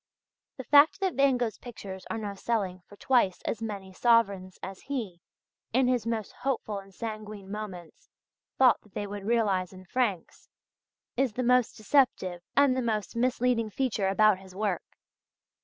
The fact that Van Gogh's pictures are now selling for twice as many sovereigns as he, in his most hopeful and sanguine moments thought that they would realize in francs, is the most deceptive and the most misleading feature about his work.